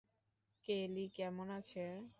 কেলি কেমন আছে?